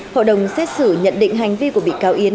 hội đồng xét xử nhận định hành vi của bị cáo yến